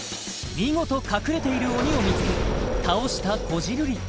見事隠れている鬼を見つけ倒したこじるり